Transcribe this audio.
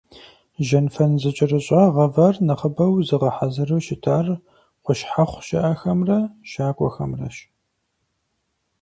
Жьэнфэн зэкӀэрыщӀа гъэвар нэхъыбэу зыгъэхьэзыру щытар къущхьэхъу щыӀэхэмрэ щакӀуэхэмрэщ.